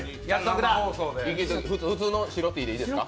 普通の白Ｔでいいですか？